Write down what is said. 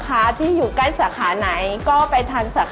การที่บูชาเทพสามองค์มันทำให้ร้านประสบความสำเร็จ